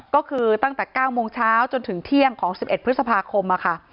ก็คือตั้งแต่๙โมงเช้าจนถึงเที่ยงของ๑๑พฤษภาคมค่ะ